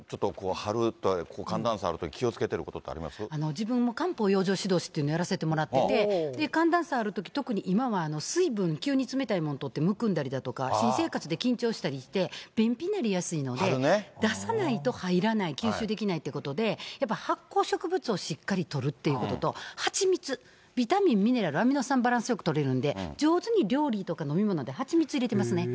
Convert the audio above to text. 自分も漢方養生指導しというのをやらせてもらってて、寒暖差あるとき、特に今は水分、急に冷たいものをとってむくんだりとか、新生活で緊張したりして便秘になりやすいので、出さないと入らない、吸収できないということで、やっぱり発酵植物をしっかりとるということと、蜂蜜、ビタミン、ミネラル、アミノ酸バランスよくとれるんで、上手に飲み物とかで飲み物で蜂蜜入れてますね。